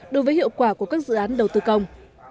đối với hiệu quả của các dự án đầu tư công